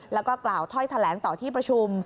แล้วก็กล่าวถ้อยแถลงต่อที่ประชุม